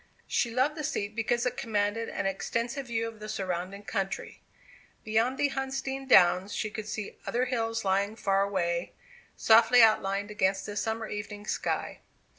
She loved the seat because it commanded an extensive view of the surrounding country. Beyond the Huntsdean downs she could see other hills lying far away, softly outlined against the summer evening sky.